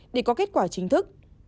để có kết quả chính thức